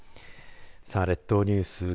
さあ列島ニュース